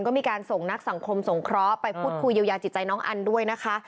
ก็มีการส่งนักสังคมสงเคราะห์ไปพูดคุยเยียวยาจิตใจน้องอันด้วยนะคะ